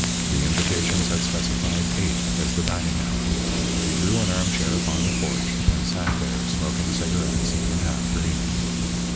The invitations had specified eight as the dining hour. He drew an armchair upon the porch, and sat there, smoking cigarettes and half dreaming.